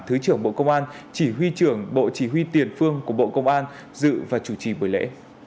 thứ trưởng bộ công an chỉ huy trưởng bộ chỉ huy tiền phương của bộ công an dự và chủ trì buổi lễ